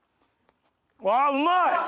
うわうまい！